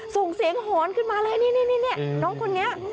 ส่งเสียงหอนขึ้นมาเลยนี่น้องคนนี้